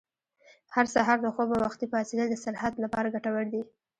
هر سهار له خوبه وختي پاڅېدل د صحت لپاره ګټور دي.